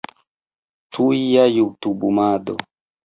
Tuja jutubumado